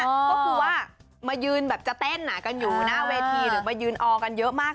ก็คือว่ามายืนแบบจะเต้นกันอยู่หน้าเวทีหรือมายืนออกันเยอะมาก